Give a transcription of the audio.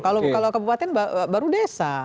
kalau kabupaten baru desa